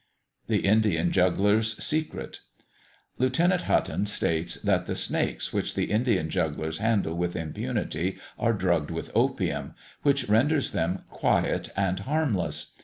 THE INDIAN JUGGLERS' SECRET. Lieutenant Hutton states, that the snakes which the Indian jugglers handle with impunity are drugged with opium, which renders them quiet and harmless.